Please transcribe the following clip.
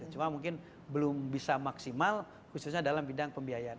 cuma mungkin belum bisa maksimal khususnya dalam bidang pembiayaan